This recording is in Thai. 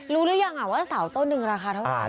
รู้หรือยังว่าเสาต้นหนึ่งราคาเท่าไหร่